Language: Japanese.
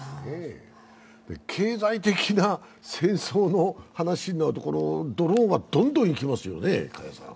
経済的な戦争の話になると、ドローンはどんどんいきますよね。